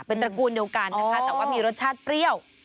เป็นตระกูลเดียวกันนะคะแต่ว่ามีรสชาติเปรี้ยว